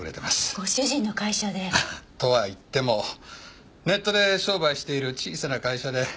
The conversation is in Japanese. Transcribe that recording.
ご主人の会社で。とは言ってもネットで商売している小さな会社で。